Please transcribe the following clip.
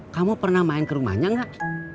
kamu pernah main ke rumahnya nggak